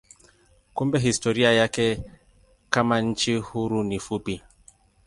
Kumbe historia yake kama nchi huru ni fupi.